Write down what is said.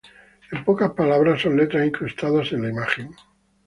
En pocas palabras, son letras incrustadas en la imagen.